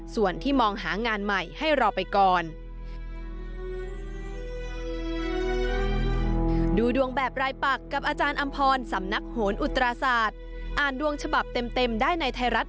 ส่วนที่มองหางานใหม่ให้รอไปก่อน